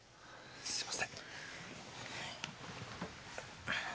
すみません。